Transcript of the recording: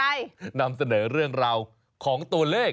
ที่จะต้องนำเสนอเรื่องราวของตัวเลข